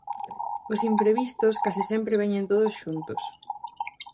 Os imprevistos case sempre veñen todos xuntos.